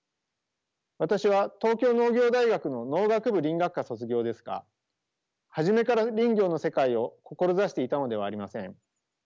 私は東京農業大学の農学部林学科卒業ですが初めから林業の世界を志していたのではありません。